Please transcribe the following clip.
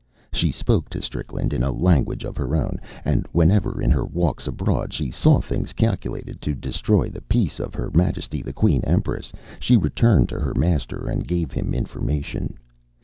She spoke to Strickland in a language of her own, and whenever, in her walks abroad she saw things calculated to destroy the peace of Her Majesty the Queen Empress, she returned to her master and gave him information.